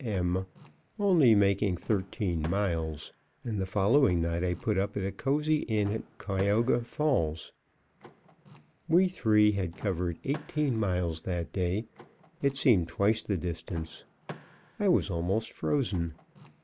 M., only making thirteen miles; and the following night I put up at a cozy inn at Cuyahoga Falls. We three had covered eighteen miles that day; it seemed twice the distance. I was almost frozen.